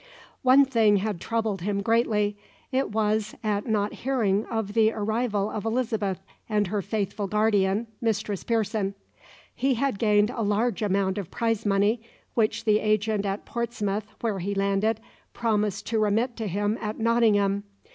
One thing had troubled him greatly; it was at not hearing of the arrival of Elizabeth and her faithful guardian, Mistress Pearson. He had gained a large amount of prize money, which the agent at Portsmouth, where he landed, promised to remit to him at Nottingham.